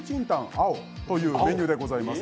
青というメニューでございます。